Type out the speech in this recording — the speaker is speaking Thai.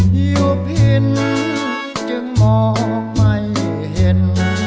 หยุดเห็นจึงมองไม่เห็น